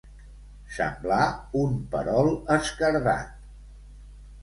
Semblar un perol esquerdat.